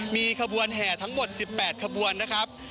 มีขบวนแห่ทั้งหมด๑๘ขบวนนะครับ